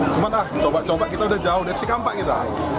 cuman ah coba coba kita udah jauh dari cikampek kita